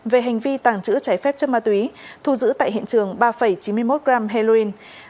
về hành vi tàng trữ trái phép chất ma túy thu giữ tại hiện trường ba chín mươi một gram heroin